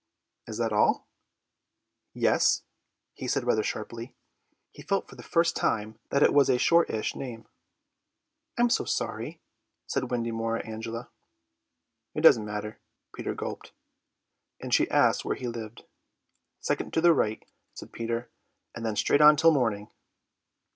"Is that all?" "Yes," he said rather sharply. He felt for the first time that it was a shortish name. "I'm so sorry," said Wendy Moira Angela. "It doesn't matter," Peter gulped. She asked where he lived. "Second to the right," said Peter, "and then straight on till morning."